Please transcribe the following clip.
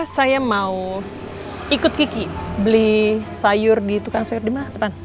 saya mau ikut kiki beli sayur di tukang sayur di mana depan